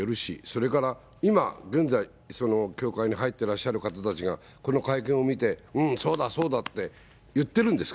それから、今現在、教会に入っていらっしゃる方々が、この会見を見て、うん、そうだそうだって言